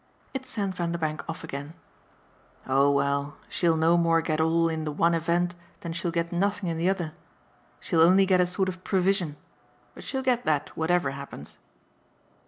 It sent Vanderbank off again. "Oh well, she'll no more get all in the one event than she'll get nothing in the other. She'll only get a sort of provision. But she'll get that whatever happens."